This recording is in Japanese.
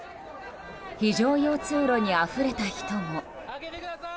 非常用通路にあふれた人も。